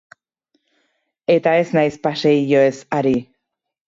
Eta ez naiz paseilloez ari.